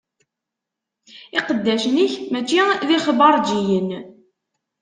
Iqeddacen-ik mačči d ixbaṛǧiyen.